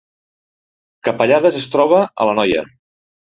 Capellades es troba a l’Anoia